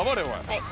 はい。